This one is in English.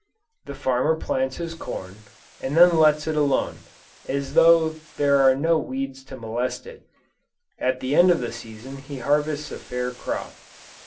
The farmer plants his corn, and then lets it alone, and as there are no weeds to molest it, at the end of the season he harvests a fair crop.